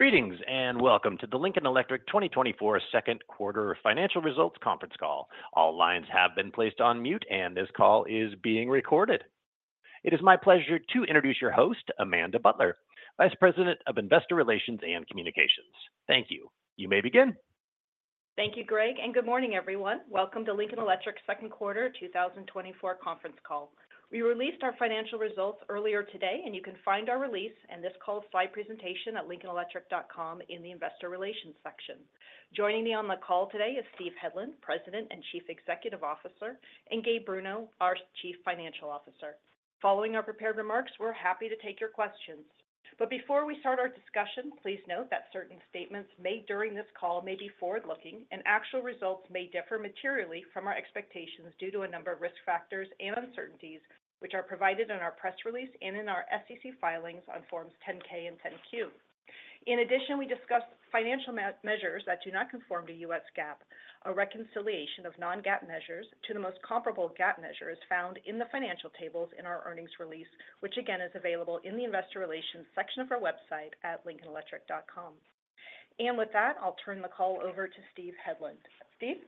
Greetings and welcome to the Lincoln Electric 2024 Second Quarter Financial Results Conference Call. All lines have been placed on mute, and this call is being recorded. It is my pleasure to introduce your host, Amanda Butler, Vice President of Investor Relations and Communications. Thank you. You may begin. Thank you, Greg, and good morning, everyone. Welcome to Lincoln Electric second quarter 2024 conference call. We released our financial results earlier today, and you can find our release and this call's slide presentation at lincolnelectric.com in the Investor Relations section. Joining me on the call today is Steve Hedlund, President and Chief Executive Officer, and Gabe Bruno, our Chief Financial Officer. Following our prepared remarks, we're happy to take your questions. But before we start our discussion, please note that certain statements made during this call may be forward-looking, and actual results may differ materially from our expectations due to a number of risk factors and uncertainties which are provided in our press release and in our SEC filings on Forms 10-K and 10-Q. In addition, we discussed financial measures that do not conform to U.S. GAAP, a reconciliation of non-GAAP measures to the most comparable GAAP measures found in the financial tables in our earnings release, which again is available in the Investor Relations section of our website at lincolnelectric.com. With that, I'll turn the call over to Steve Hedlund. Steve?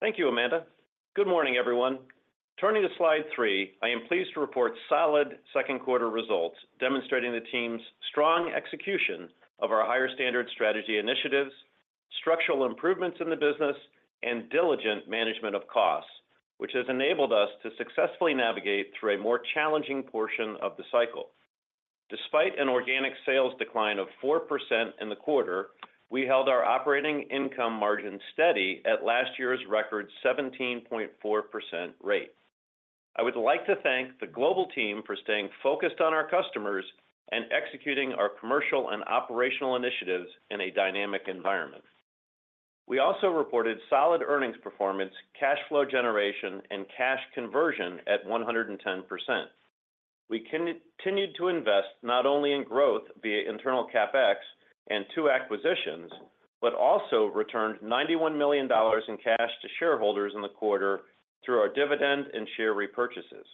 Thank you, Amanda. Good morning, everyone. Turning to Slide 3, I am pleased to report solid second quarter results demonstrating the team's strong execution of our higher standard strategy initiatives, structural improvements in the business, and diligent management of costs, which has enabled us to successfully navigate through a more challenging portion of the cycle. Despite an organic sales decline of 4% in the quarter, we held our operating income margin steady at last year's record 17.4% rate. I would like to thank the global team for staying focused on our customers and executing our commercial and operational initiatives in a dynamic environment. We also reported solid earnings performance, cash flow generation, and cash conversion at 110%. We continued to invest not only in growth via internal CapEx and 2 acquisitions, but also returned $91 million in cash to shareholders in the quarter through our dividend and share repurchases.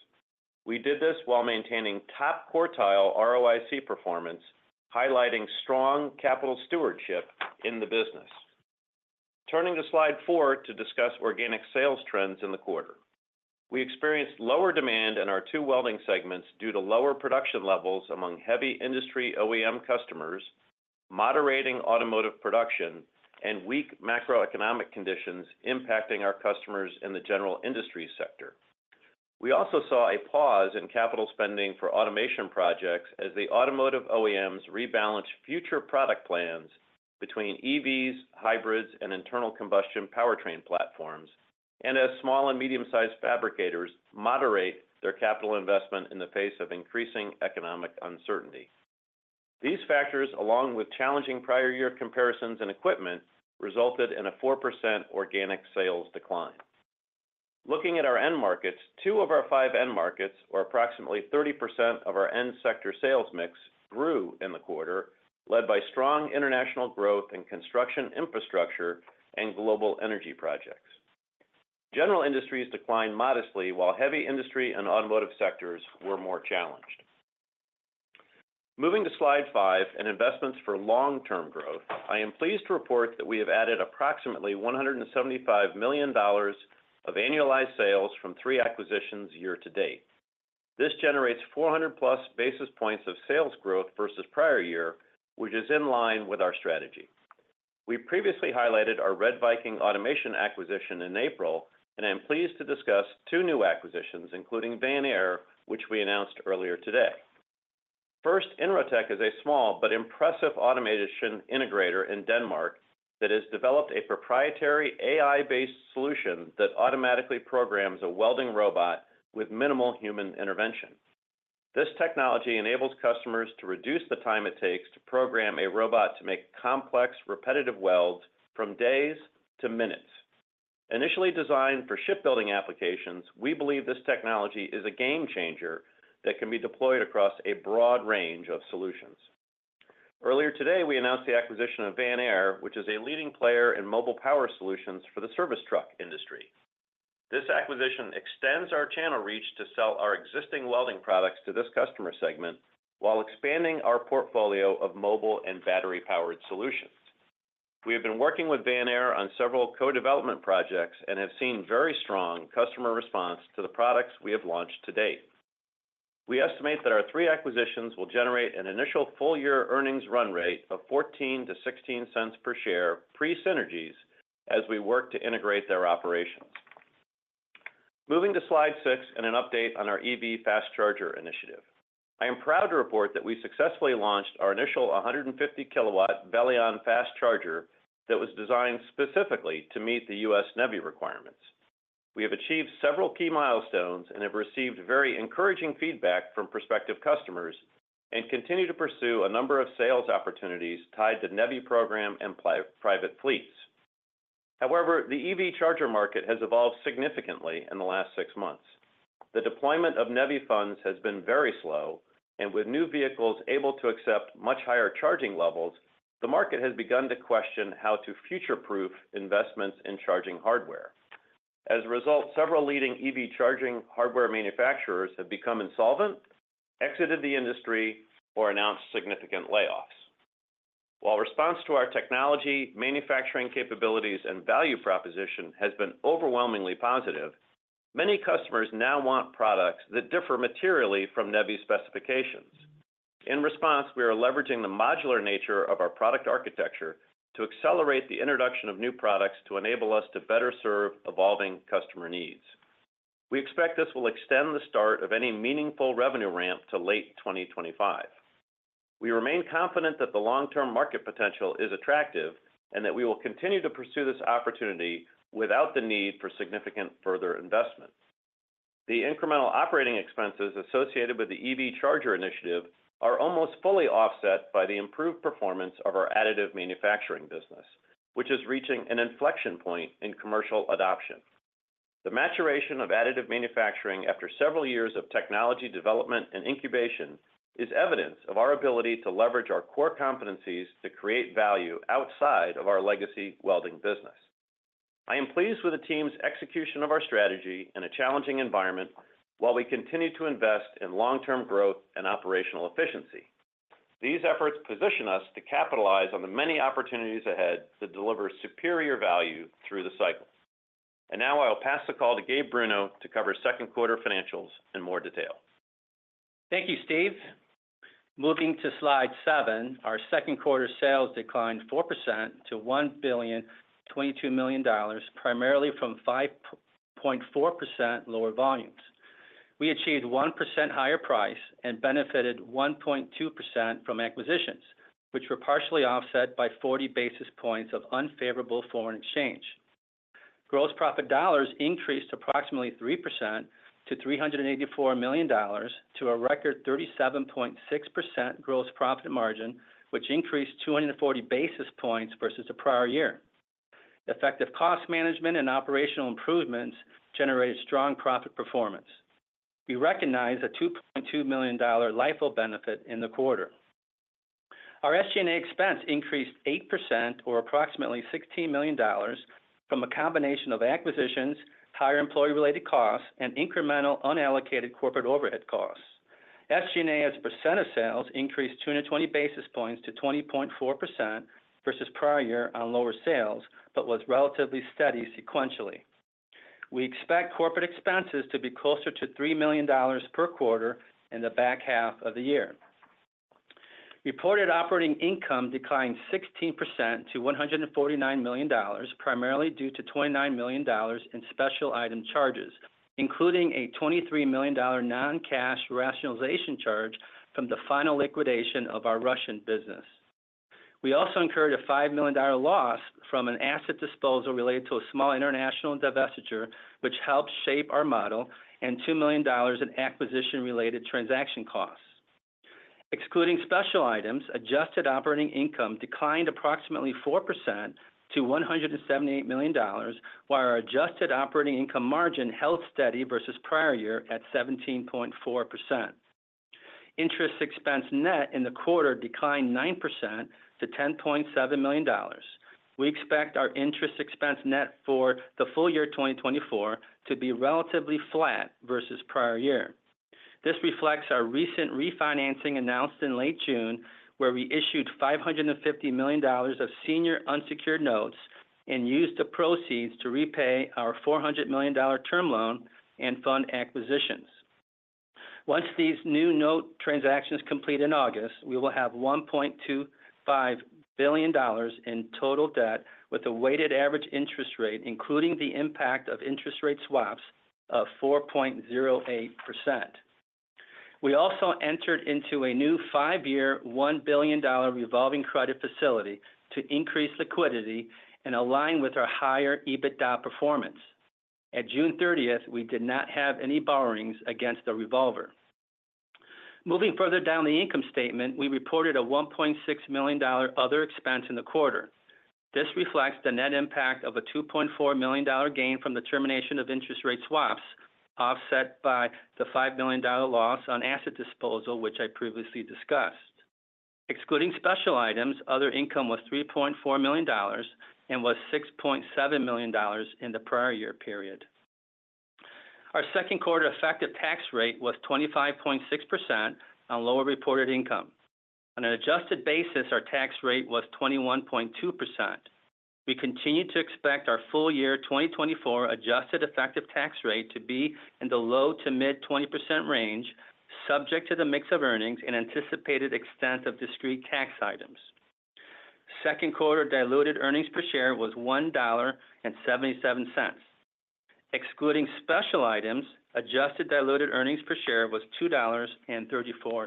We did this while maintaining top quartile ROIC performance, highlighting strong capital stewardship in the business. Turning to Slide 4 to discuss organic sales trends in the quarter. We experienced lower demand in our two welding segments due to lower production levels among heavy industry OEM customers, moderating automotive production, and weak macroeconomic conditions impacting our customers in the general industry sector. We also saw a pause in capital spending for automation projects as the automotive OEMs rebalanced future product plans between EVs, hybrids, and internal combustion powertrain platforms, and as small and medium-sized fabricators moderate their capital investment in the face of increasing economic uncertainty. These factors, along with challenging prior year comparisons and equipment, resulted in a 4% organic sales decline. Looking at our end markets, two of our five end markets, or approximately 30% of our end sector sales mix, grew in the quarter, led by strong international growth in construction infrastructure and global energy projects. General industries declined modestly, while heavy industry and automotive sectors were more challenged. Moving to Slide 5 and investments for long-term growth, I am pleased to report that we have added approximately $175 million of annualized sales from three acquisitions year to date. This generates 400-plus basis points of sales growth versus prior year, which is in line with our strategy. We previously highlighted our RedViking automation acquisition in April, and I am pleased to discuss two new acquisitions, including Vanair, which we announced earlier today. First, Inrotech is a small but impressive automation integrator in Denmark that has developed a proprietary AI-based solution that automatically programs a welding robot with minimal human intervention. This technology enables customers to reduce the time it takes to program a robot to make complex, repetitive welds from days to minutes. Initially designed for shipbuilding applications, we believe this technology is a game changer that can be deployed across a broad range of solutions. Earlier today, we announced the acquisition of Vanair, which is a leading player in mobile power solutions for the service truck industry. This acquisition extends our channel reach to sell our existing welding products to this customer segment while expanding our portfolio of mobile and battery-powered solutions. We have been working with Vanair on several co-development projects and have seen very strong customer response to the products we have launched to date. We estimate that our 3 acquisitions will generate an initial full-year earnings run rate of $0.14-$0.16 per share pre-synergies as we work to integrate their operations. Moving to Slide 6 and an update on our EV fast charger initiative. I am proud to report that we successfully launched our initial 150-kilowatt Velion fast charger that was designed specifically to meet the U.S. NEVI requirements. We have achieved several key milestones and have received very encouraging feedback from prospective customers, and continue to pursue a number of sales opportunities tied to NEVI program and private fleets. However, the EV charger market has evolved significantly in the last 6 months. The deployment of NEVI funds has been very slow, and with new vehicles able to accept much higher charging levels, the market has begun to question how to future-proof investments in charging hardware. As a result, several leading EV charging hardware manufacturers have become insolvent, exited the industry, or announced significant layoffs. While response to our technology, manufacturing capabilities, and value proposition has been overwhelmingly positive, many customers now want products that differ materially from NEVI specifications. In response, we are leveraging the modular nature of our product architecture to accelerate the introduction of new products to enable us to better serve evolving customer needs. We expect this will extend the start of any meaningful revenue ramp to late 2025. We remain confident that the long-term market potential is attractive and that we will continue to pursue this opportunity without the need for significant further investment. The incremental operating expenses associated with the EV charger initiative are almost fully offset by the improved performance of our additive manufacturing business, which is reaching an inflection point in commercial adoption. The maturation of additive manufacturing after several years of technology development and incubation is evidence of our ability to leverage our core competencies to create value outside of our legacy welding business. I am pleased with the team's execution of our strategy in a challenging environment while we continue to invest in long-term growth and operational efficiency. These efforts position us to capitalize on the many opportunities ahead to deliver superior value through the cycle. Now I'll pass the call to Gabe Bruno to cover second quarter financials in more detail. Thank you, Steve. Moving to Slide 7, our second quarter sales declined 4% to $1,022 million, primarily from 5.4% lower volumes. We achieved 1% higher price and benefited 1.2% from acquisitions, which were partially offset by 40 basis points of unfavorable foreign exchange. Gross profit dollars increased approximately 3% to $384 million to a record 37.6% gross profit margin, which increased 240 basis points versus the prior year. Effective cost management and operational improvements generated strong profit performance. We recognize a $2.2 million LIFO benefit in the quarter. Our SG&A expense increased 8%, or approximately $16 million, from a combination of acquisitions, higher employee-related costs, and incremental unallocated corporate overhead costs. SG&A's percent of sales increased 220 basis points to 20.4% versus prior year on lower sales, but was relatively steady sequentially. We expect corporate expenses to be closer to $3 million per quarter in the back half of the year. Reported operating income declined 16% to $149 million, primarily due to $29 million in special item charges, including a $23 million non-cash rationalization charge from the final liquidation of our Russian business. We also incurred a $5 million loss from an asset disposal related to a small international divestiture, which helped shape our model, and $2 million in acquisition-related transaction costs. Excluding special items, adjusted operating income declined approximately 4% to $178 million, while our adjusted operating income margin held steady versus prior year at 17.4%. Interest expense net in the quarter declined 9% to $10.7 million. We expect our interest expense net for the full year 2024 to be relatively flat versus prior year. This reflects our recent refinancing announced in late June, where we issued $550 million of senior unsecured notes and used the proceeds to repay our $400 million term loan and fund acquisitions. Once these new note transactions complete in August, we will have $1.25 billion in total debt with a weighted average interest rate, including the impact of interest rate swaps, of 4.08%. We also entered into a new five-year $1 billion revolving credit facility to increase liquidity and align with our higher EBITDA performance. At June 30th, we did not have any borrowings against the revolver. Moving further down the income statement, we reported a $1.6 million other expense in the quarter. This reflects the net impact of a $2.4 million gain from the termination of interest rate swaps, offset by the $5 million loss on asset disposal, which I previously discussed. Excluding special items, other income was $3.4 million and was $6.7 million in the prior year period. Our second quarter effective tax rate was 25.6% on lower reported income. On an adjusted basis, our tax rate was 21.2%. We continue to expect our full year 2024 adjusted effective tax rate to be in the low to mid 20% range, subject to the mix of earnings and anticipated extent of discrete tax items. Second quarter diluted earnings per share was $1.77. Excluding special items, adjusted diluted earnings per share was $2.34.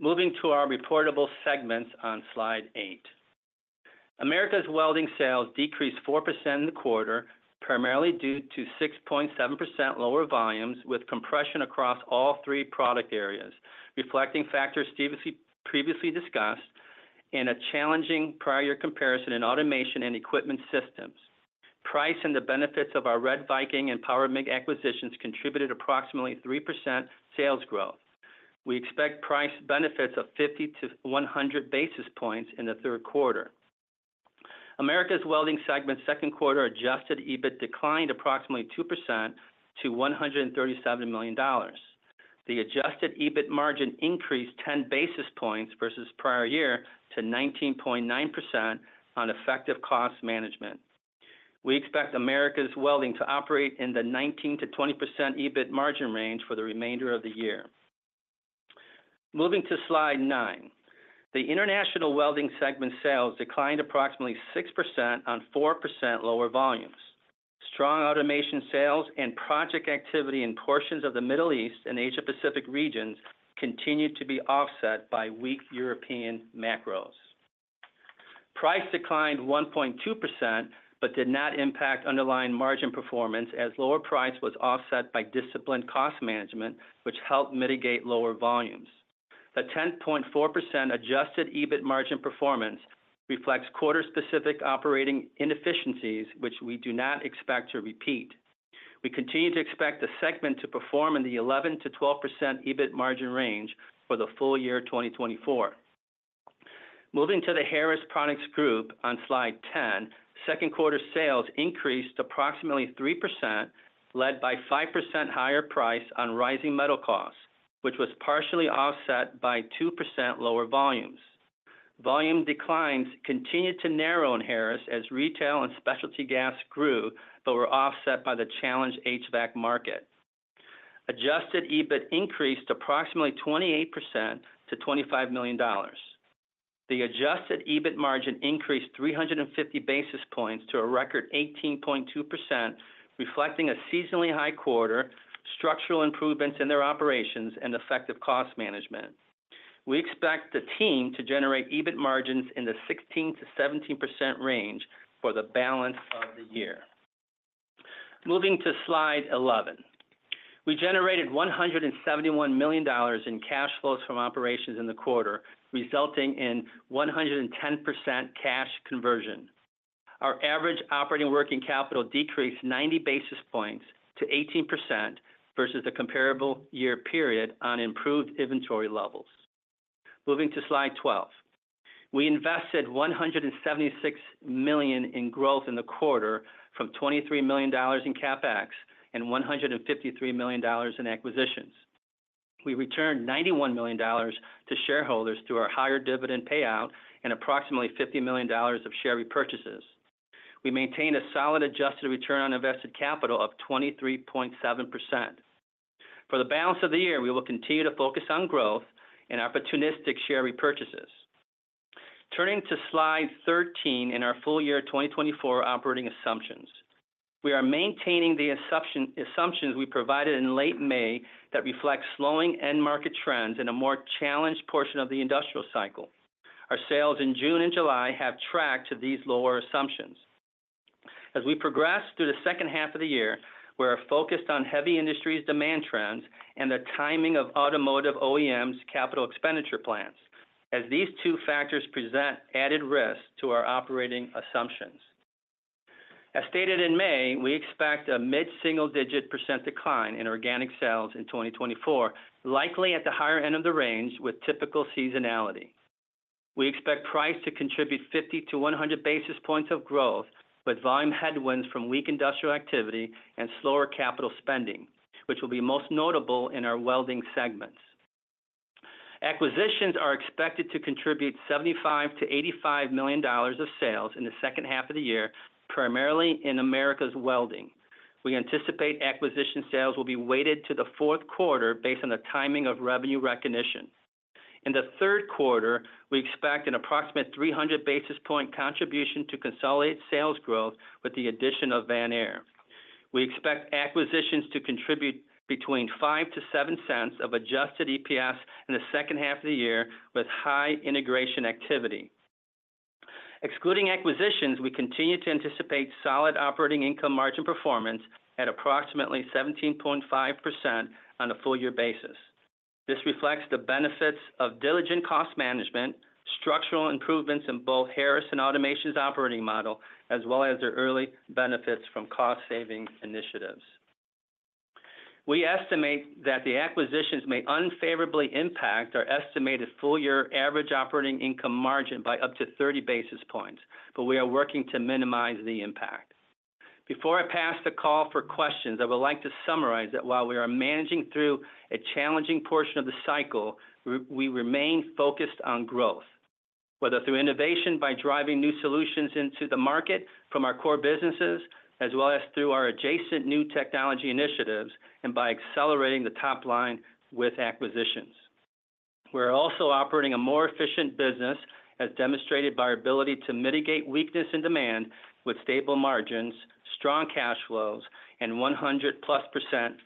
Moving to our reportable segments on Slide 8. Americas Welding sales decreased 4% in the quarter, primarily due to 6.7% lower volumes with compression across all three product areas, reflecting factors previously discussed in a challenging prior year comparison in automation and equipment systems. Price and the benefits of our RedViking and Powermig acquisitions contributed approximately 3% sales growth. We expect price benefits of 50-100 basis points in the third quarter. Americas Welding segment second quarter adjusted EBIT declined approximately 2% to $137 million. The adjusted EBIT margin increased 10 basis points versus prior year to 19.9% on effective cost management. We expect Americas Welding to operate in the 19%-20% EBIT margin range for the remainder of the year. Moving to Slide 9, the International Welding segment sales declined approximately 6% on 4% lower volumes. Strong automation sales and project activity in portions of the Middle East and Asia-Pacific regions continued to be offset by weak European macros. Price declined 1.2%, but did not impact underlying margin performance as lower price was offset by disciplined cost management, which helped mitigate lower volumes. The 10.4% adjusted EBIT margin performance reflects quarter-specific operating inefficiencies, which we do not expect to repeat. We continue to expect the segment to perform in the 11%-12% EBIT margin range for the full year 2024. Moving to the Harris Products Group on Slide 10, second quarter sales increased approximately 3%, led by 5% higher price on rising metal costs, which was partially offset by 2% lower volumes. Volume declines continued to narrow in Harris as retail and specialty gas grew, but were offset by the challenged HVAC market. Adjusted EBIT increased approximately 28% to $25 million. The adjusted EBIT margin increased 350 basis points to a record 18.2%, reflecting a seasonally high quarter, structural improvements in their operations, and effective cost management. We expect the team to generate EBIT margins in the 16%-17% range for the balance of the year. Moving to Slide 11, we generated $171 million in cash flows from operations in the quarter, resulting in 110% cash conversion. Our average operating working capital decreased 90 basis points to 18% versus the comparable year period on improved inventory levels. Moving to Slide 12, we invested $176 million in growth in the quarter from $23 million in CapEx and $153 million in acquisitions. We returned $91 million to shareholders through our higher dividend payout and approximately $50 million of share repurchases. We maintained a solid adjusted return on invested capital of 23.7%. For the balance of the year, we will continue to focus on growth and opportunistic share repurchases. Turning to Slide 13 in our full year 2024 operating assumptions, we are maintaining the assumptions we provided in late May that reflect slowing end market trends in a more challenged portion of the industrial cycle. Our sales in June and July have tracked to these lower assumptions. As we progress through the second half of the year, we are focused on heavy industry's demand trends and the timing of automotive OEMs' capital expenditure plans, as these two factors present added risk to our operating assumptions. As stated in May, we expect a mid-single-digit % decline in organic sales in 2024, likely at the higher end of the range with typical seasonality. We expect price to contribute 50-100 basis points of growth with volume headwinds from weak industrial activity and slower capital spending, which will be most notable in our welding segments. Acquisitions are expected to contribute $75 million-$85 million of sales in the second half of the year, primarily in Americas Welding. We anticipate acquisition sales will be weighted to the fourth quarter based on the timing of revenue recognition. In the third quarter, we expect an approximate 300 basis point contribution to consolidated sales growth with the addition of Vanair. We expect acquisitions to contribute between $0.05-$0.07 of adjusted EPS in the second half of the year with high integration activity. Excluding acquisitions, we continue to anticipate solid operating income margin performance at approximately 17.5% on a full year basis. This reflects the benefits of diligent cost management, structural improvements in both Harris and Automation's operating model, as well as their early benefits from cost-saving initiatives. We estimate that the acquisitions may unfavorably impact our estimated full year average operating income margin by up to 30 basis points, but we are working to minimize the impact. Before I pass the call for questions, I would like to summarize that while we are managing through a challenging portion of the cycle, we remain focused on growth, whether through innovation by driving new solutions into the market from our core businesses, as well as through our adjacent new technology initiatives and by accelerating the top line with acquisitions. We're also operating a more efficient business, as demonstrated by our ability to mitigate weakness in demand with stable margins, strong cash flows, and 100+%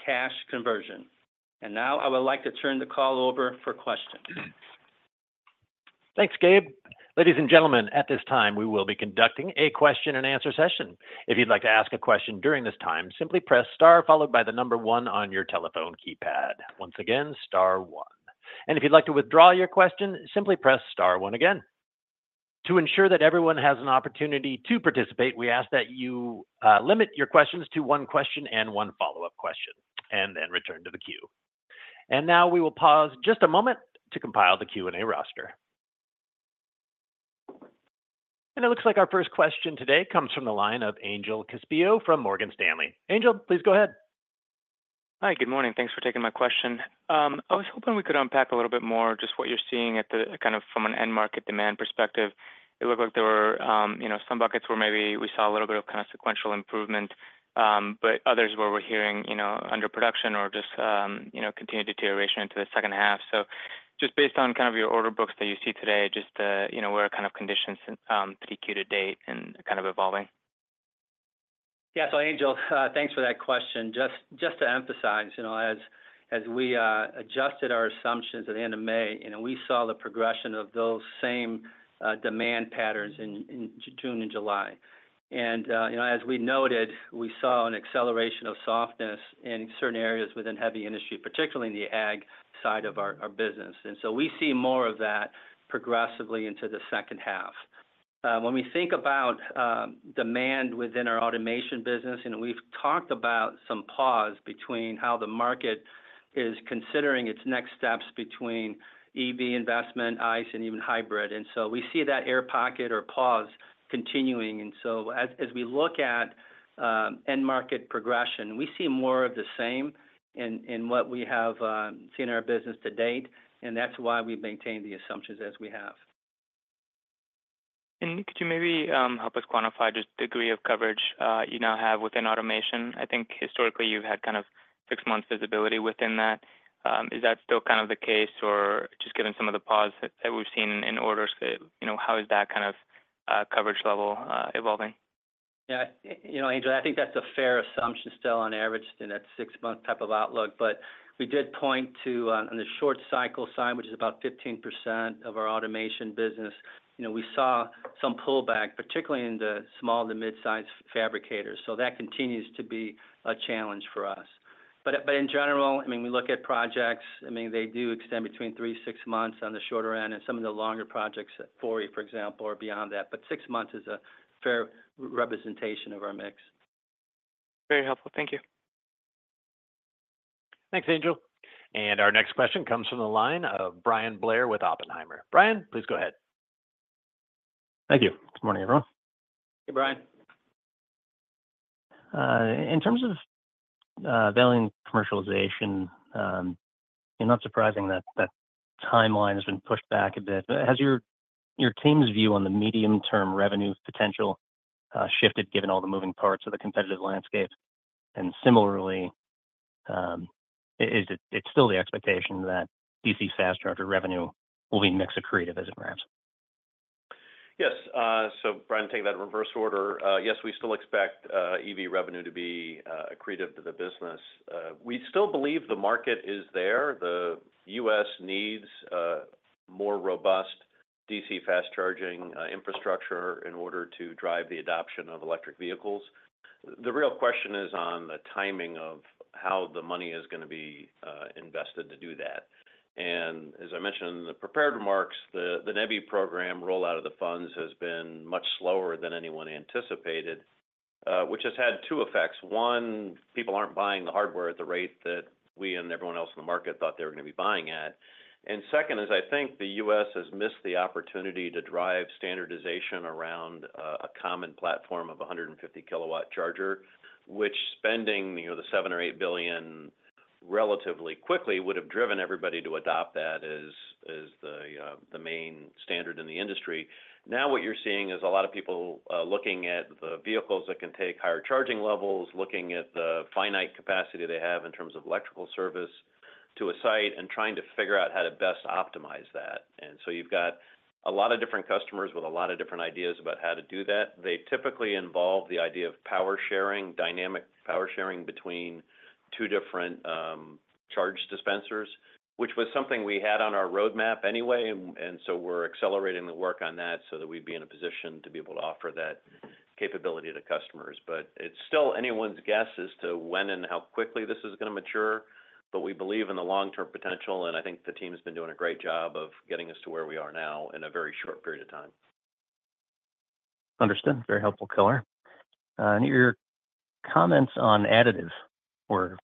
cash conversion. Now I would like to turn the call over for questions. Thanks, Gabe. Ladies and gentlemen, at this time, we will be conducting a question and answer session. If you'd like to ask a question during this time, simply press star followed by the number one on your telephone keypad. Once again, star one. If you'd like to withdraw your question, simply press star one again. To ensure that everyone has an opportunity to participate, we ask that you limit your questions to one question and one follow-up question, and then return to the queue. Now we will pause just a moment to compile the Q&A roster. It looks like our first question today comes from the line of Angel Castillo from Morgan Stanley. Angel, please go ahead. Hi, good morning. Thanks for taking my question. I was hoping we could unpack a little bit more just what you're seeing at the kind of from an end market demand perspective. It looked like there were some buckets where maybe we saw a little bit of kind of sequential improvement, but others where we're hearing underproduction or just continued deterioration into the second half. So just based on kind of your order books that you see today, just what are kind of conditions up to date and kind of evolving? Yeah, so Angel, thanks for that question. Just to emphasize, as we adjusted our assumptions at the end of May, we saw the progression of those same demand patterns in June and July. And as we noted, we saw an acceleration of softness in certain areas within heavy industry, particularly in the ag side of our business. And so we see more of that progressively into the second half. When we think about demand within our automation business, we've talked about some pause between how the market is considering its next steps between EV investment, ICE, and even hybrid. And so we see that air pocket or pause continuing. And so as we look at end market progression, we see more of the same in what we have seen in our business to date, and that's why we maintain the assumptions as we have. Could you maybe help us quantify just the degree of coverage you now have within automation? I think historically you've had kind of six months visibility within that. Is that still kind of the case, or just given some of the pause that we've seen in orders, how is that kind of coverage level evolving? Yeah, you know, Angel, I think that's a fair assumption still on average in that 6-month type of outlook. But we did point to on the short cycle side, which is about 15% of our automation business, we saw some pullback, particularly in the small to mid-sized fabricators. So that continues to be a challenge for us. But in general, I mean, we look at projects, I mean, they do extend between 3-6 months on the shorter end, and some of the longer projects at 40, for example, or beyond that. But 6 months is a fair representation of our mix. Very helpful. Thank you. Thanks, Angel. Our next question comes from the line of Bryan Blair with Oppenheimer. Bryan, please go ahead. Thank you. Good morning, everyone. Hey, Bryan. In terms of vetting commercialization, it's not surprising that that timeline has been pushed back a bit. Has your team's view on the medium-term revenue potential shifted given all the moving parts of the competitive landscape? Similarly, is it still the expectation that DC fast charger revenue will be mixed accretive as it ramps? Yes. So, Bryan, take that in reverse order. Yes, we still expect EV revenue to be accretive to the business. We still believe the market is there. The U.S. needs more robust DC fast charging infrastructure in order to drive the adoption of electric vehicles. The real question is on the timing of how the money is going to be invested to do that. And as I mentioned in the prepared remarks, the NEVI program rollout of the funds has been much slower than anyone anticipated, which has had two effects. One, people aren't buying the hardware at the rate that we and everyone else in the market thought they were going to be buying at. And second, I think the U.S. has missed the opportunity to drive standardization around a common platform of 150-kilowatt charger, which, spending the $7 billion or $8 billion relatively quickly, would have driven everybody to adopt that as the main standard in the industry. Now what you're seeing is a lot of people looking at the vehicles that can take higher charging levels, looking at the finite capacity they have in terms of electrical service to a site and trying to figure out how to best optimize that. And so you've got a lot of different customers with a lot of different ideas about how to do that. They typically involve the idea of power sharing, dynamic power sharing between two different charge dispensers, which was something we had on our roadmap anyway. We're accelerating the work on that so that we'd be in a position to be able to offer that capability to customers. It's still anyone's guess as to when and how quickly this is going to mature. We believe in the long-term potential, and I think the team has been doing a great job of getting us to where we are now in a very short period of time. Understood. Very helpful, color. And your comments on additive were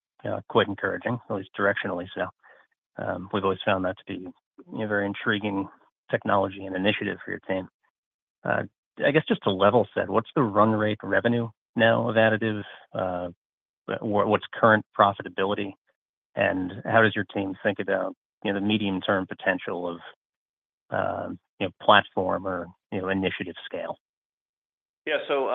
quite encouraging, at least directionally. So we've always found that to be a very intriguing technology and initiative for your team. I guess just to level set, what's the run rate revenue now of additives? What's current profitability? And how does your team think about the medium-term potential of platform or initiative scale? Yeah. So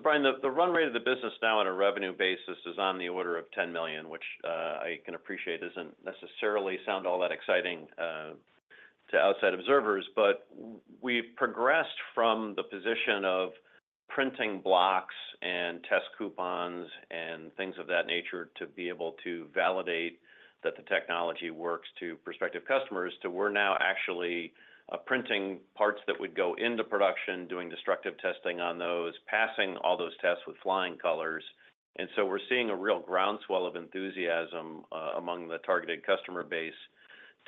Bryan, the run rate of the business now on a revenue basis is on the order of $10 million, which I can appreciate doesn't necessarily sound all that exciting to outside observers. But we progressed from the position of printing blocks and test coupons and things of that nature to be able to validate that the technology works to prospective customers to we're now actually printing parts that would go into production, doing destructive testing on those, passing all those tests with flying colors. And so we're seeing a real groundswell of enthusiasm among the targeted customer base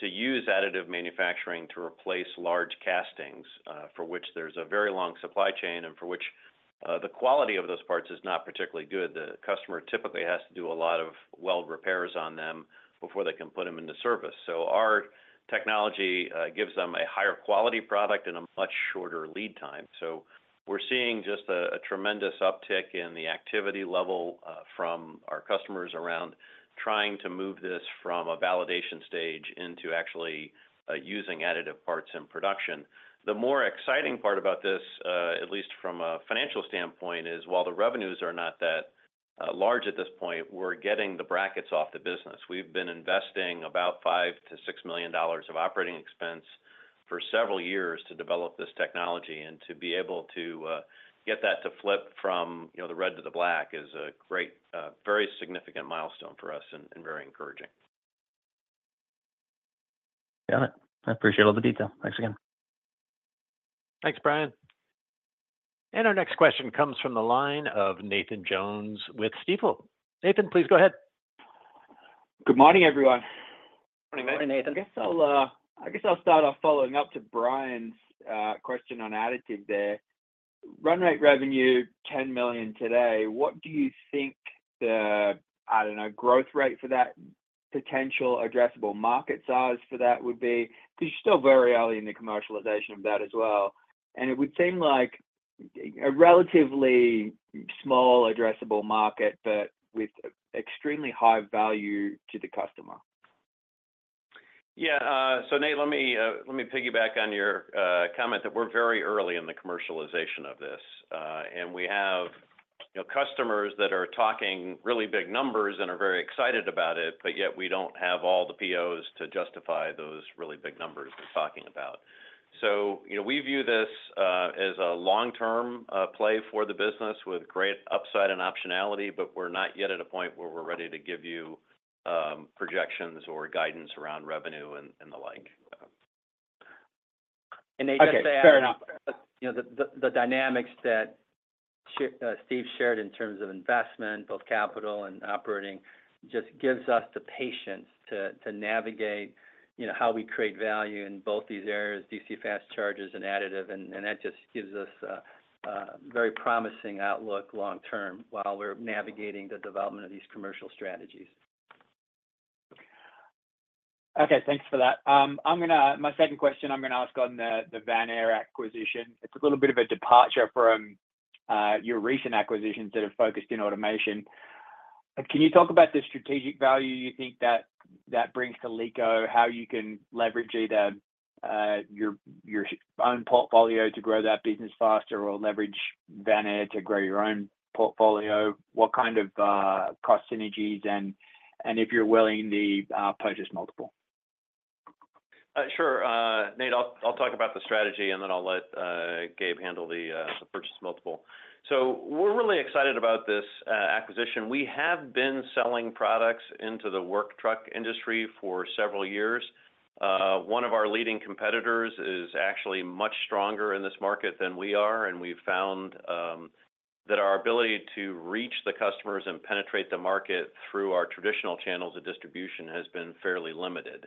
to use additive manufacturing to replace large castings for which there's a very long supply chain and for which the quality of those parts is not particularly good. The customer typically has to do a lot of weld repairs on them before they can put them into service. So our technology gives them a higher quality product and a much shorter lead time. So we're seeing just a tremendous uptick in the activity level from our customers around trying to move this from a validation stage into actually using additive parts in production. The more exciting part about this, at least from a financial standpoint, is while the revenues are not that large at this point, we're getting the brackets off the business. We've been investing about $5 million-$6 million of operating expense for several years to develop this technology and to be able to get that to flip from the red to the black is a great, very significant milestone for us and very encouraging. Got it. I appreciate all the detail. Thanks again. Thanks, Bryan. And our next question comes from the line of Nathan Jones with Stifel. Nathan, please go ahead. Good morning, everyone. Morning, Nathan. I guess I'll start off following up to Bryan's question on additive there. Run rate revenue $10 million today. What do you think the, I don't know, growth rate for that potential addressable market size for that would be? Because you're still very early in the commercialization of that as well. It would seem like a relatively small addressable market, but with extremely high value to the customer. Yeah. So Nate, let me piggyback on your comment that we're very early in the commercialization of this. And we have customers that are talking really big numbers and are very excited about it, but yet we don't have all the POs to justify those really big numbers we're talking about. So we view this as a long-term play for the business with great upside and optionality, but we're not yet at a point where we're ready to give you projections or guidance around revenue and the like. Nathan, I'd say. The dynamics that Steve shared in terms of investment, both capital and operating, just gives us the patience to navigate how we create value in both these areas, DC fast chargers and additive. And that just gives us a very promising outlook long-term while we're navigating the development of these commercial strategies. Okay. Thanks for that. My second question, I'm going to ask on the Vanair acquisition. It's a little bit of a departure from your recent acquisitions that have focused in automation. Can you talk about the strategic value you think that brings to LECO, how you can leverage either your own portfolio to grow that business faster or leverage Vanair to grow your own portfolio? What kind of cost synergies and, if you're willing, the purchase multiple? Sure. Nate, I'll talk about the strategy, and then I'll let Gabe handle the purchase multiple. So we're really excited about this acquisition. We have been selling products into the work truck industry for several years. One of our leading competitors is actually much stronger in this market than we are. We've found that our ability to reach the customers and penetrate the market through our traditional channels of distribution has been fairly limited.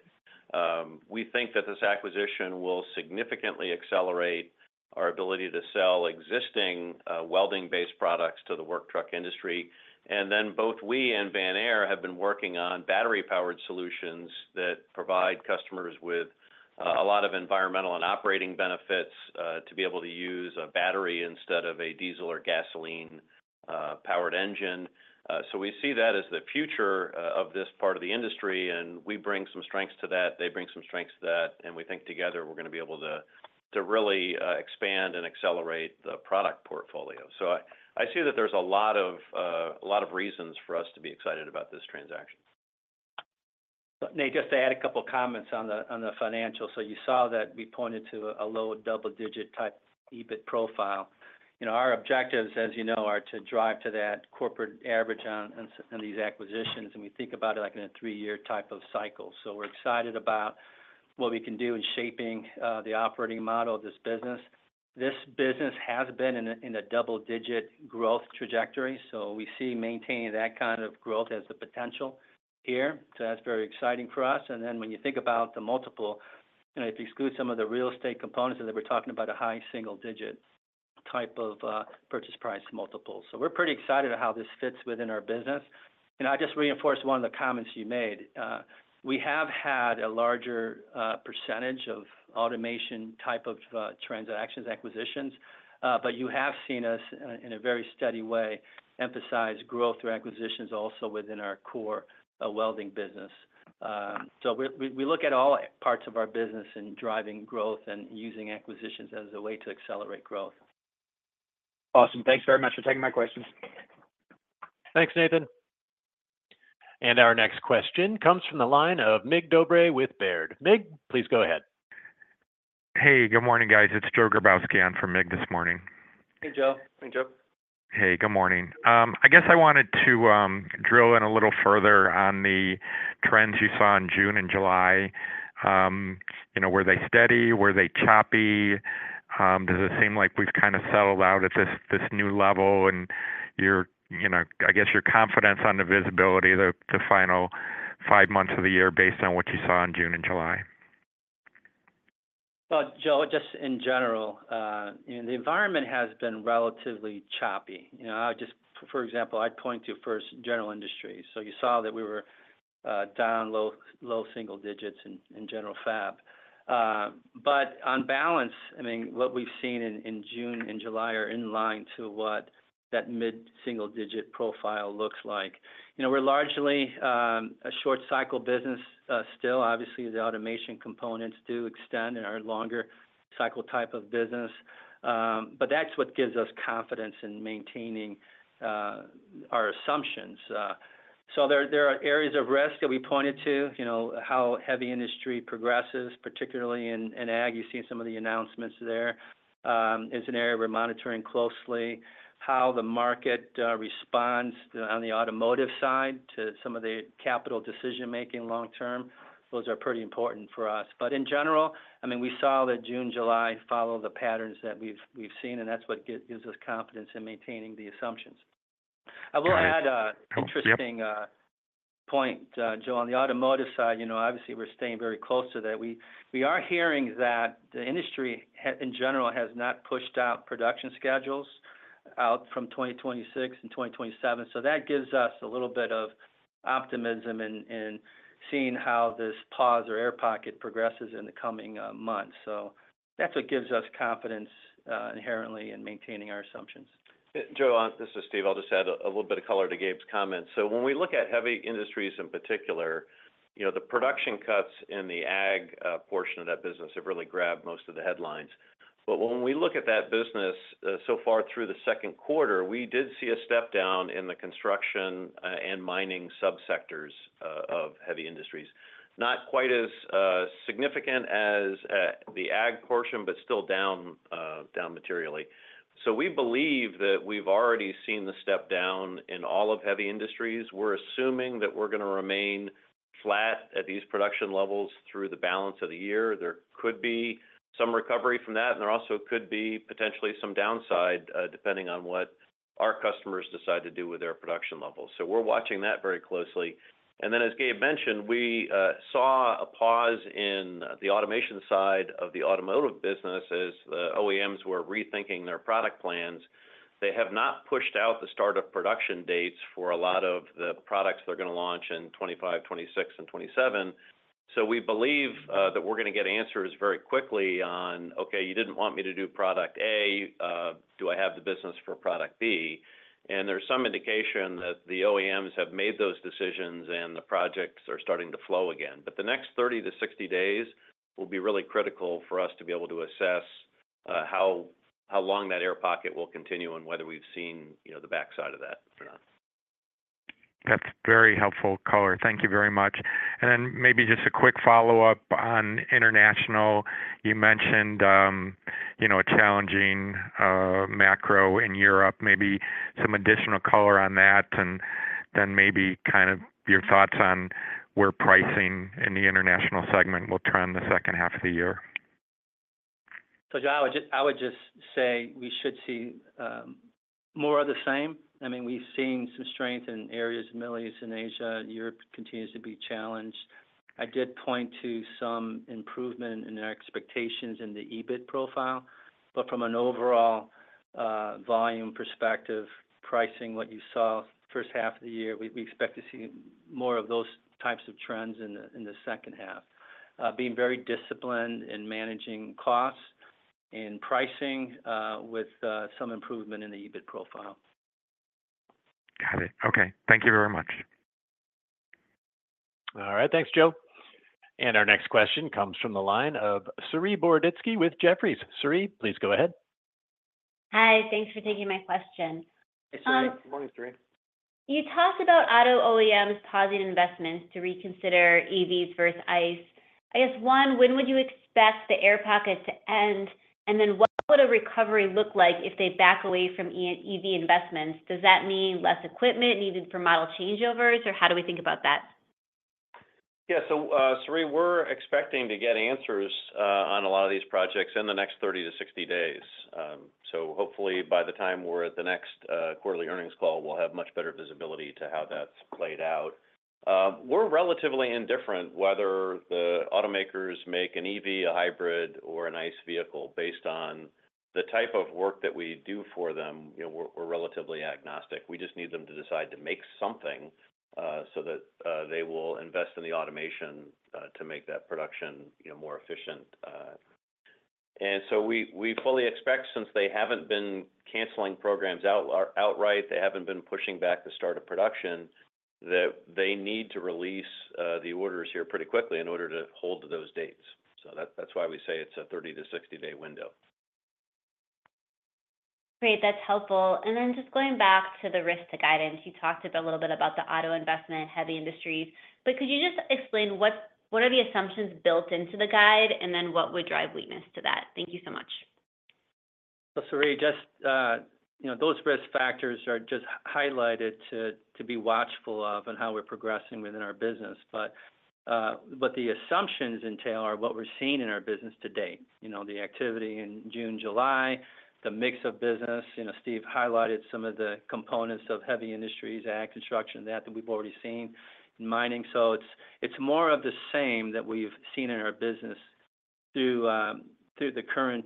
We think that this acquisition will significantly accelerate our ability to sell existing welding-based products to the work truck industry. Then both we and Vanair have been working on battery-powered solutions that provide customers with a lot of environmental and operating benefits to be able to use a battery instead of a diesel or gasoline-powered engine. So we see that as the future of this part of the industry. We bring some strengths to that. They bring some strengths to that. We think together we're going to be able to really expand and accelerate the product portfolio. I see that there's a lot of reasons for us to be excited about this transaction. Nate, just to add a couple of comments on the financial. So you saw that we pointed to a low double-digit type EBIT profile. Our objectives, as you know, are to drive to that corporate average on these acquisitions. And we think about it like in a 3-year type of cycle. So we're excited about what we can do in shaping the operating model of this business. This business has been in a double-digit growth trajectory. So we see maintaining that kind of growth as the potential here. So that's very exciting for us. And then when you think about the multiple, if you exclude some of the real estate components that we're talking about, a high single-digit type of purchase price multiple. So we're pretty excited how this fits within our business. And I just reinforced one of the comments you made. We have had a larger percentage of automation type of transactions, acquisitions. But you have seen us in a very steady way emphasize growth through acquisitions also within our core welding business. So we look at all parts of our business in driving growth and using acquisitions as a way to accelerate growth. Awesome. Thanks very much for taking my questions. Thanks, Nathan. Our next question comes from the line of Mig Dobre with Baird. Mig, please go ahead. Hey, good morning, guys. It's Joe Grabowski on for Mig this morning. Hey, Joe. Hey, Joe. Hey, good morning. I guess I wanted to drill in a little further on the trends you saw in June and July. Were they steady? Were they choppy? Does it seem like we've kind of settled out at this new level? And I guess your confidence on the visibility, the final five months of the year based on what you saw in June and July? Well, Joe, just in general, the environment has been relatively choppy. For example, I'd point to first general industries. So you saw that we were down low single digits in general fab. But on balance, I mean, what we've seen in June and July are in line to what that mid-single-digit profile looks like. We're largely a short-cycle business still. Obviously, the automation components do extend in our longer cycle type of business. But that's what gives us confidence in maintaining our assumptions. So there are areas of risk that we pointed to, how heavy industry progresses, particularly in ag. You've seen some of the announcements there. It's an area we're monitoring closely, how the market responds on the automotive side to some of the capital decision-making long-term. Those are pretty important for us. But in general, I mean, we saw that June, July follow the patterns that we've seen. That's what gives us confidence in maintaining the assumptions. I will add an interesting point, Joe. On the automotive side, obviously, we're staying very close to that. We are hearing that the industry in general has not pushed out production schedules from 2026 and 2027. So that gives us a little bit of optimism in seeing how this pause or air pocket progresses in the coming months. So that's what gives us confidence inherently in maintaining our assumptions. Joe, this is Steve. I'll just add a little bit of color to Gabe's comments. So when we look at heavy industries in particular, the production cuts in the ag portion of that business have really grabbed most of the headlines. But when we look at that business so far through the second quarter, we did see a step down in the construction and mining subsectors of heavy industries. Not quite as significant as the ag portion, but still down materially. So we believe that we've already seen the step down in all of heavy industries. We're assuming that we're going to remain flat at these production levels through the balance of the year. There could be some recovery from that. And there also could be potentially some downside depending on what our customers decide to do with their production levels. So we're watching that very closely. Then, as Gabe mentioned, we saw a pause in the automation side of the automotive business as the OEMs were rethinking their product plans. They have not pushed out the startup production dates for a lot of the products they're going to launch in 2025, 2026, and 2027. So we believe that we're going to get answers very quickly on, "Okay, you didn't want me to do product A. Do I have the business for product B?" And there's some indication that the OEMs have made those decisions and the projects are starting to flow again. But the next 30-60 days will be really critical for us to be able to assess how long that air pocket will continue and whether we've seen the backside of that or not. That's very helpful, color. Thank you very much. Then maybe just a quick follow-up on international. You mentioned a challenging macro in Europe. Maybe some additional color on that. Then maybe kind of your thoughts on where pricing in the international segment will turn the second half of the year? So Joe I would just say we should see more of the same. I mean, we've seen some strength in areas of Middle East and Asia. Europe continues to be challenged. I did point to some improvement in their expectations in the EBIT profile. But from an overall volume perspective, pricing, what you saw first half of the year, we expect to see more of those types of trends in the second half. Being very disciplined in managing costs and pricing with some improvement in the EBIT profile. Got it. Okay. Thank you very much. All right. Thanks, Joe. Our next question comes from the line of Saree Boroditsky with Jefferies. Saree, please go ahead. Hi. Thanks for taking my question. Hi, Saree. Good morning, Saree. You talked about auto OEMs pausing investments to reconsider EVs versus ICE. I guess, one, when would you expect the air pocket to end? And then what would a recovery look like if they back away from EV investments? Does that mean less equipment needed for model changeovers? Or how do we think about that? Yeah. So Saree, we're expecting to get answers on a lot of these projects in the next 30-60 days. So hopefully, by the time we're at the next quarterly earnings call, we'll have much better visibility to how that's played out. We're relatively indifferent whether the automakers make an EV, a hybrid, or an ICE vehicle based on the type of work that we do for them. We're relatively agnostic. We just need them to decide to make something so that they will invest in the automation to make that production more efficient. And so we fully expect, since they haven't been canceling programs outright, they haven't been pushing back the start of production, that they need to release the orders here pretty quickly in order to hold to those dates. So that's why we say it's a 30-60-day window. Great. That's helpful. And then just going back to the risk to guidance, you talked a little bit about the auto investment, heavy industries. But could you just explain what are the assumptions built into the guide and then what would drive weakness to that? Thank you so much. So Saree, just those risk factors are just highlighted to be watchful of and how we're progressing within our business. But what the assumptions entail are what we're seeing in our business to date. The activity in June, July, the mix of business. Steve highlighted some of the components of heavy industries, ag, construction, that that we've already seen in mining. So it's more of the same that we've seen in our business through the current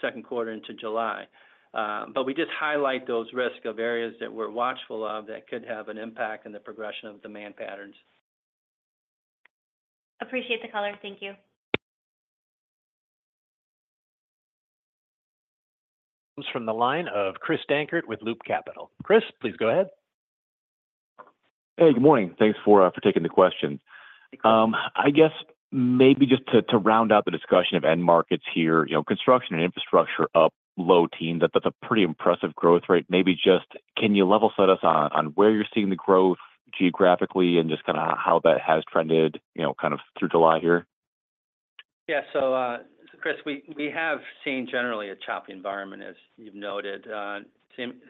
second quarter into July. But we just highlight those risks of areas that we're watchful of that could have an impact on the progression of demand patterns. Appreciate the color. Thank you. Comes from the line of Chris Dankert with Loop Capital. Chris, please go ahead. Hey, good morning. Thanks for taking the question. I guess maybe just to round out the discussion of end markets here, construction and infrastructure up low teens, that's a pretty impressive growth rate. Maybe just can you level set us on where you're seeing the growth geographically and just kind of how that has trended kind of through July here? Yeah. So Chris, we have seen generally a choppy environment, as you've noted.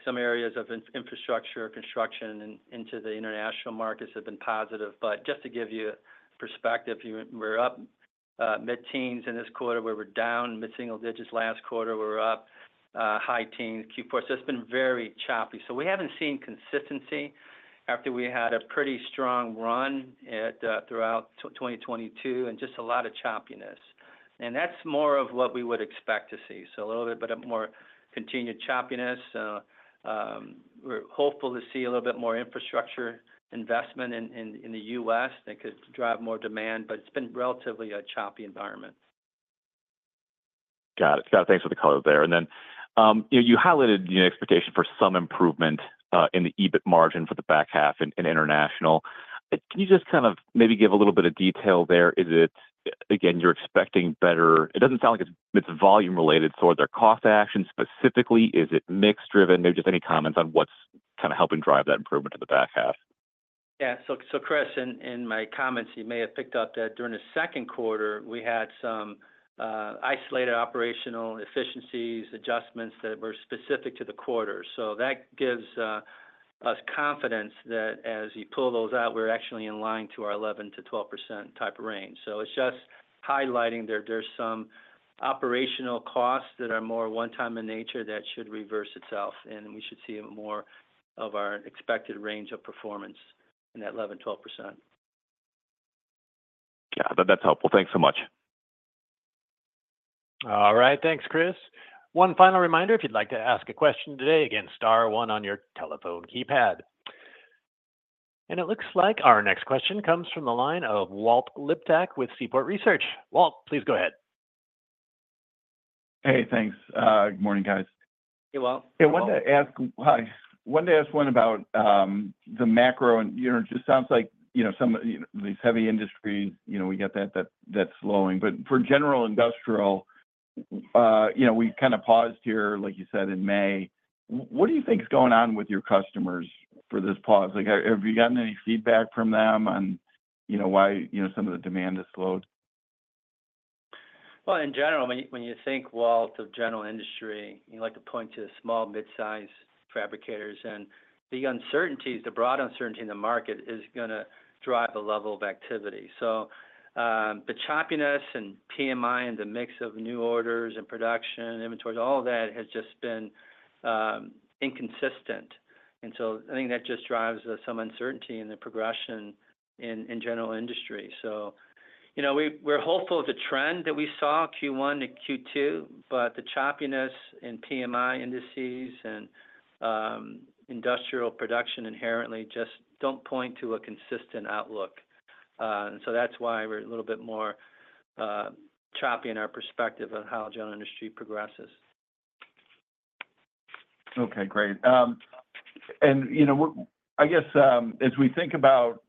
Some areas of infrastructure, construction into the international markets have been positive. But just to give you perspective, we're up mid-teens in this quarter. We were down mid-single digits last quarter. We were up high teens, Q4. So it's been very choppy. So we haven't seen consistency after we had a pretty strong run throughout 2022 and just a lot of choppiness. And that's more of what we would expect to see. So a little bit more continued choppiness. We're hopeful to see a little bit more infrastructure investment in the U.S. that could drive more demand. But it's been relatively a choppy environment. Got it. Got it. Thanks for the color there. And then you highlighted the expectation for some improvement in the EBIT margin for the back half in international. Can you just kind of maybe give a little bit of detail there? Is it, again, you're expecting better? It doesn't sound like it's volume-related. So are there cost actions specifically? Is it mix driven? Maybe just any comments on what's kind of helping drive that improvement to the back half? Yeah. So Chris, in my comments, you may have picked up that during the second quarter, we had some isolated operational efficiencies, adjustments that were specific to the quarter. So that gives us confidence that as you pull those out, we're actually in line to our 11%-12% type of range. So it's just highlighting there's some operational costs that are more one-time in nature that should reverse itself. We should see more of our expected range of performance in that 11%-12%. Got it. That's helpful. Thanks so much. All right. Thanks, Chris. One final reminder, if you'd like to ask a question today, again, star one on your telephone keypad. And it looks like our next question comes from the line of Walt Liptak with Seaport Research Partners. Walt, please go ahead. Hey, thanks. Good morning, guys. Hey, Walt. Yeah, I wanted to ask one about the macro. And it just sounds like some of these heavy industries, we get that slowing. But for general industrial, we kind of paused here, like you said, in May. What do you think is going on with your customers for this pause? Have you gotten any feedback from them on why some of the demand has slowed? Well, in general, when you think, Walt, of general industry, you like to point to small, mid-size fabricators. And the uncertainties, the broad uncertainty in the market is going to drive the level of activity. So the choppiness and PMI and the mix of new orders and production inventories, all of that has just been inconsistent. And so I think that just drives some uncertainty in the progression in general industry. So we're hopeful of the trend that we saw Q1 to Q2. But the choppiness in PMI indices and industrial production inherently just don't point to a consistent outlook. And so that's why we're a little bit more choppy in our perspective on how general industry progresses. Okay. Great. And I guess as we think about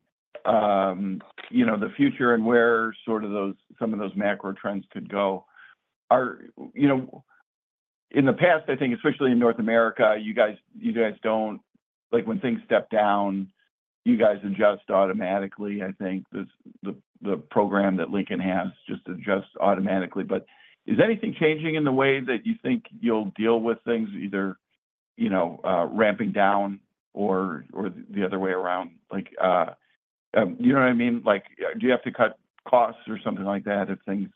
the future and where sort of some of those macro trends could go, in the past, I think, especially in North America, you guys don't like when things step down, you guys adjust automatically, I think, the program that Lincoln has just adjusts automatically. But is anything changing in the way that you think you'll deal with things, either ramping down or the other way around? You know what I mean? Do you have to cut costs or something like that if things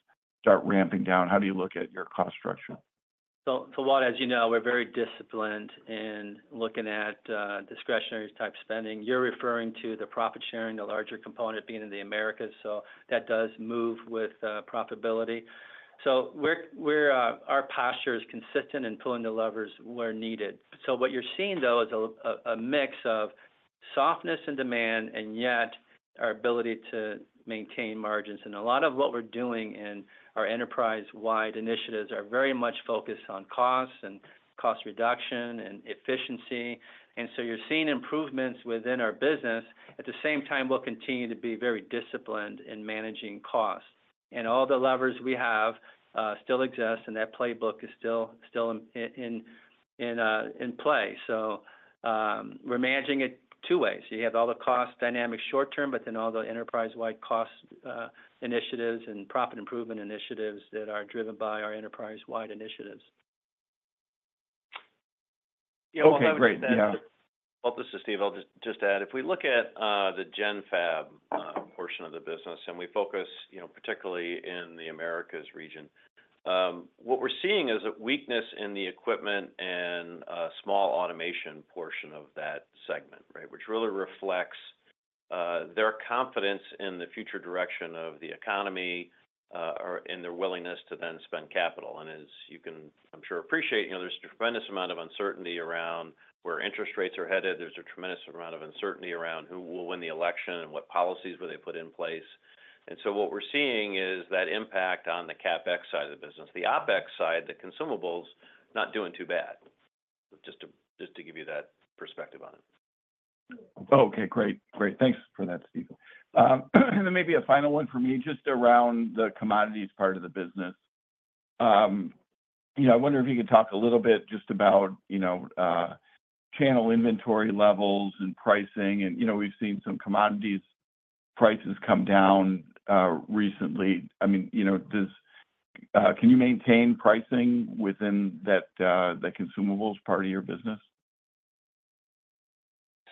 start ramping down? How do you look at your cost structure? So Walt, as you know, we're very disciplined in looking at discretionary-type spending. You're referring to the profit sharing, the larger component being in the Americas. So that does move with profitability. So our posture is consistent in pulling the levers where needed. So what you're seeing, though, is a mix of softness and demand and yet our ability to maintain margins. And a lot of what we're doing in our enterprise-wide initiatives are very much focused on costs and cost reduction and efficiency. And so you're seeing improvements within our business. At the same time, we'll continue to be very disciplined in managing costs. And all the levers we have still exist. And that playbook is still in play. So we're managing it two ways. You have all the cost dynamics short-term, but then all the enterprise-wide cost initiatives and profit improvement initiatives that are driven by our enterprise-wide initiatives. Yeah. Okay. Great. Yeah. Walt, this is Steve. I'll just add, if we look at the GenFab portion of the business, and we focus particularly in the Americas region, what we're seeing is a weakness in the equipment and small automation portion of that segment, right, which really reflects their confidence in the future direction of the economy and their willingness to then spend capital. And as you can, I'm sure, appreciate, there's a tremendous amount of uncertainty around where interest rates are headed. There's a tremendous amount of uncertainty around who will win the election and what policies will they put in place. And so what we're seeing is that impact on the CapEx side of the business. The OpEx side, the consumables, not doing too bad, just to give you that perspective on it. Okay. Great. Great. Thanks for that, Steve. And then maybe a final one for me just around the commodities part of the business. I wonder if you could talk a little bit just about channel inventory levels and pricing. And we've seen some commodities prices come down recently. I mean, can you maintain pricing within that consumables part of your business?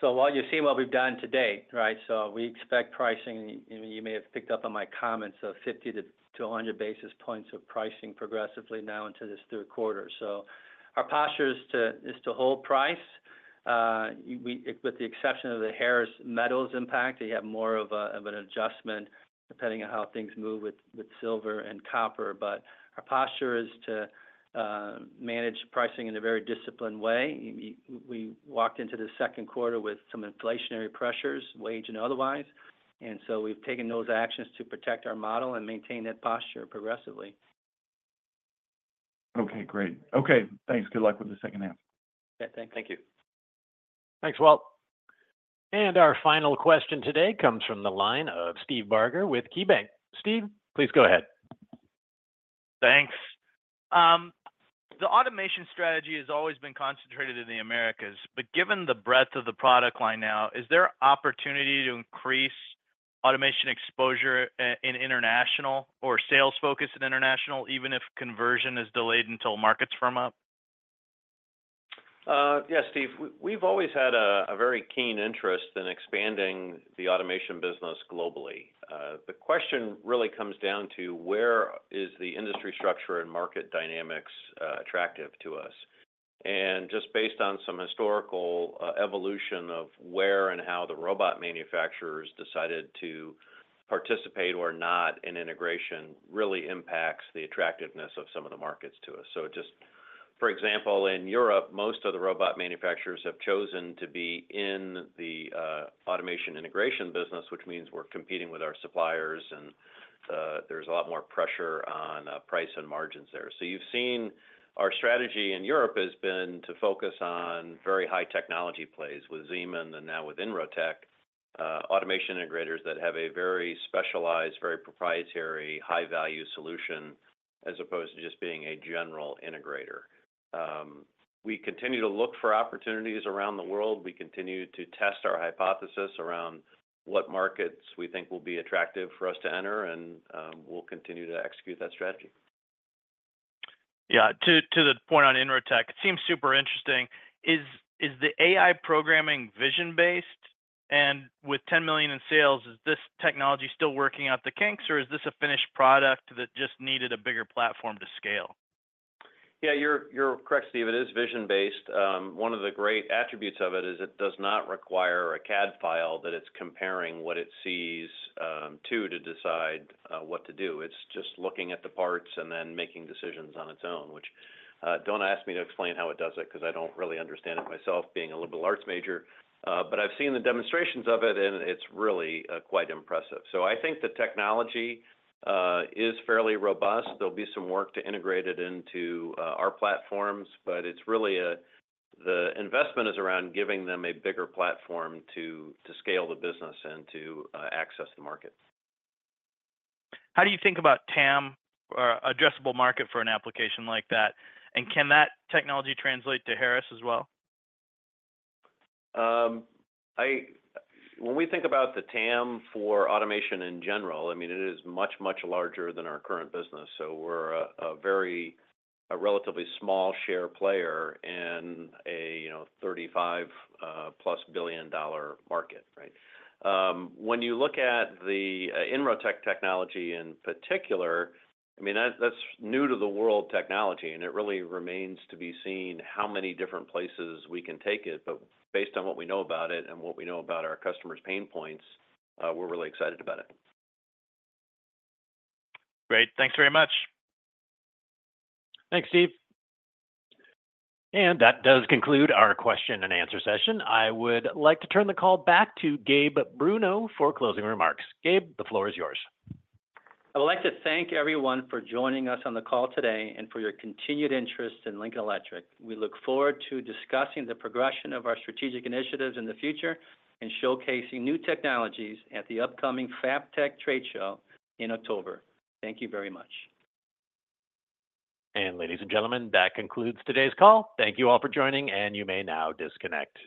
So Walt, you've seen what we've done to date, right? So we expect pricing, and you may have picked up on my comments, of 50-100 basis points of pricing progressively now into this third quarter. So our posture is to hold price with the exception of the Harris metals impact. You have more of an adjustment depending on how things move with silver and copper. But our posture is to manage pricing in a very disciplined way. We walked into the second quarter with some inflationary pressures, wage and otherwise. And so we've taken those actions to protect our model and maintain that posture progressively. Okay. Great. Okay. Thanks. Good luck with the second half. Yeah. Thank you. Thanks, Walt. Our final question today comes from the line of Steve Barger with KeyBanc. Steve, please go ahead. Thanks. The automation strategy has always been concentrated in the Americas. But given the breadth of the product line now, is there opportunity to increase automation exposure in international or sales focus in international, even if conversion is delayed until markets firm up? Yeah, Steve. We've always had a very keen interest in expanding the automation business globally. The question really comes down to where is the industry structure and market dynamics attractive to us? Just based on some historical evolution of where and how the robot manufacturers decided to participate or not in integration really impacts the attractiveness of some of the markets to us. Just, for example, in Europe, most of the robot manufacturers have chosen to be in the automation integration business, which means we're competing with our suppliers, and there's a lot more pressure on price and margins there. You've seen our strategy in Europe has been to focus on very high technology plays with Siemens and now with Inrotech, automation integrators that have a very specialized, very proprietary, high-value solution as opposed to just being a general integrator. We continue to look for opportunities around the world. We continue to test our hypothesis around what markets we think will be attractive for us to enter, and we'll continue to execute that strategy. Yeah. To the point on Inrotech, it seems super interesting. Is the AI programming vision-based? And with $10 million in sales, is this technology still working out the kinks, or is this a finished product that just needed a bigger platform to scale? Yeah. Correct, Steve. It is vision-based. One of the great attributes of it is it does not require a CAD file that it's comparing what it sees to decide what to do. It's just looking at the parts and then making decisions on its own, which, don't ask me, to explain how it does it because I don't really understand it myself being a liberal arts major. But I've seen the demonstrations of it, and it's really quite impressive. So I think the technology is fairly robust. There'll be some work to integrate it into our platforms, but it's really the investment is around giving them a bigger platform to scale the business and to access the market. How do you think about TAM, addressable market for an application like that? And can that technology translate to Harris as well? When we think about the TAM for automation in general, I mean, it is much, much larger than our current business. So we're a relatively small share player in a $35+ billion market, right? When you look at the Inrotech technology in particular, I mean, that's new-to-the-world technology, and it really remains to be seen how many different places we can take it. But based on what we know about it and what we know about our customers' pain points, we're really excited about it. Great. Thanks very much. Thanks, Steve. That does conclude our question and answer session. I would like to turn the call back to Gabe Bruno for closing remarks. Gabe, the floor is yours. I would like to thank everyone for joining us on the call today and for your continued interest in Lincoln Electric. We look forward to discussing the progression of our strategic initiatives in the future and showcasing new technologies at the upcoming FABTECH trade show in October. Thank you very much. Ladies and gentlemen, that concludes today's call. Thank you all for joining, and you may now disconnect.